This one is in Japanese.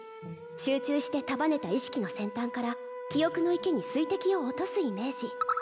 集中して束ねた意識の先端から記憶の池に水滴を落とすイメージ